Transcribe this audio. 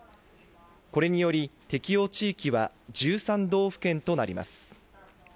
これにより適用地域は１３道府県となります。